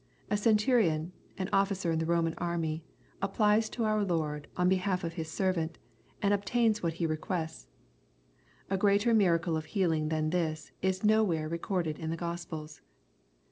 A. centurion, or officer in the Koman army, applies to our Lord on behalf of his servant, and obtains what he requests. A greater miracle of healing than this, is nowhere recorded in the Gospels.